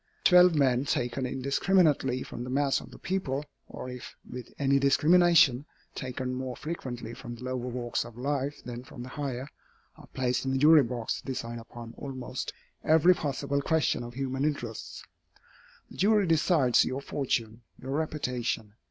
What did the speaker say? Twelve men, taken indiscriminately from the mass of the people, or if with any discrimination, taken more frequently from the lower walks of life than from the higher, are placed in a jury box to decide upon almost every possible question of human interests. The jury decides your fortune, your reputation.